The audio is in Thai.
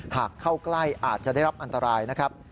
หากเข้าใกล้อาจจะได้รับอันตรายนะครับ